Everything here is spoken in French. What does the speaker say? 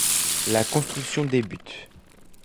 La construction débute.